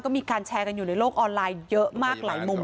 มีการแชร์กันอยู่ในโลกออนไลน์เยอะมากหลายมุม